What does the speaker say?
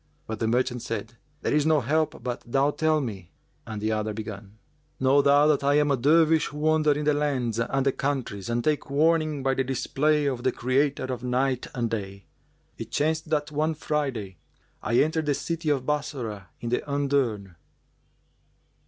But the merchant said, "There is no help but thou tell me;" and the other began, "Know thou that I am a Dervish who wander in the lands and the countries, and take warning by the display[FN#395] of the Creator of Night and Day. It chanced that one Friday I entered the city of Bassorah in the undurn."